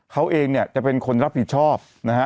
เขาเองเนี่ยจะเป็นคนรับผิดชอบนะฮะ